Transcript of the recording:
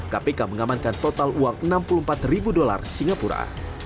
kpk mengamankan total uang enam puluh empat ribu dolar singapura